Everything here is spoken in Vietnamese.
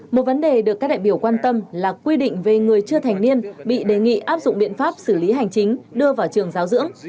một vấn đề được các đại biểu quan tâm là quy định về người chưa thành niên bị đề nghị áp dụng biện pháp xử lý hành chính đưa vào trường giáo dưỡng